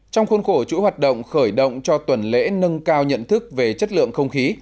trong khuôn khổ chủ hoạt động khởi động cho tuần lễ nâng cao nhận thức về chất lượng không khí